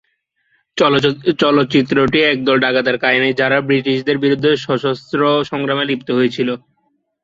চলচ্চিত্রটি একদল ডাকাতের কাহিনি, যারা ব্রিটিশদের বিরুদ্ধে সশস্ত্র সংগ্রামে লিপ্ত হয়েছিল।